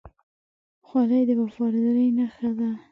خولۍ د وفادارۍ نښه ده.